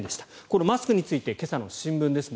このマスクについて今朝の新聞です。